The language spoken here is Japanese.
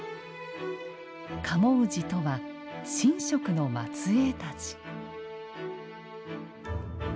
賀茂氏とは神職の末えいたち。